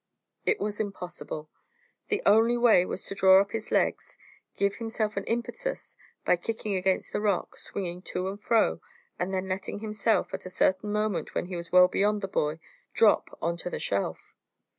It was impossible. The only way was to draw up his legs, give himself an impetus by kicking against the rock, swinging to and fro, and then letting himself, at a certain moment when he was well beyond the boy, drop on to the shelf.